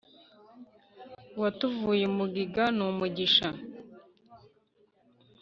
uwatuvuye umugiga n'umugisha